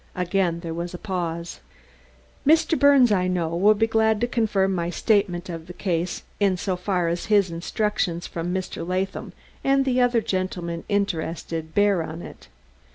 Again there was a pause. "Mr. Birnes, I know, will be glad to confirm my statement of the case in so far as his instructions from Mr. Latham and the other gentlemen interested bear on it?"